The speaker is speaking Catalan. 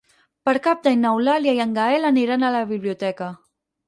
Per Cap d'Any n'Eulàlia i en Gaël aniran a la biblioteca.